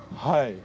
はい。